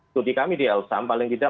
studi kami di l sam paling tidak